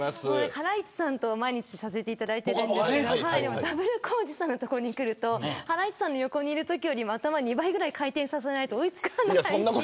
ハライチさんとは毎日させていただいてるんですけどダブルコウジさんのところに来るとハライチさんの横にいるときよりも頭を２倍ぐらい回転させないと追い付かない。